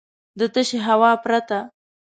د تشې هوا پرته .